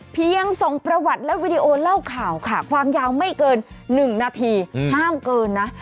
เพียงส่งประวัติและวิดีโอเล่าข่าวค่ะความยาวไม่เกิน๑นาทีห้ามเกินนะ